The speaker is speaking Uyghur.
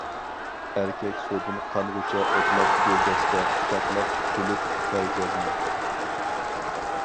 ئەركەك سۇدىن قانغۇچە ئوتلاپ گۈلدەستە قۇچاقلاپ، كۈلۈپ كەل جەزمەن.